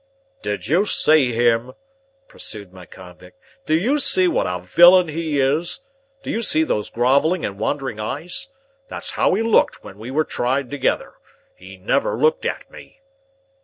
"Do you see him?" pursued my convict. "Do you see what a villain he is? Do you see those grovelling and wandering eyes? That's how he looked when we were tried together. He never looked at me."